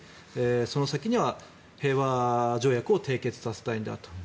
その先には平和条約を締結させたいんだと。